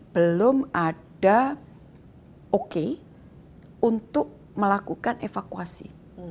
belum ada oke untuk melakukan evakuasi